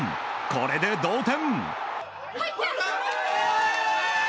これで同点！